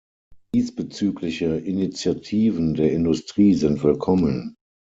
Diesbezügliche Initiativen der Industrie sind willkommen.